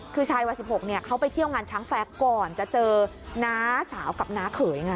คือชายวัย๑๖เขาไปเที่ยวงานช้างแฟร์ก่อนจะเจอน้าสาวกับน้าเขยไง